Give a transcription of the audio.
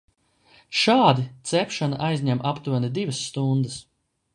Šādi cepšana aizņem aptuveni divas stundas.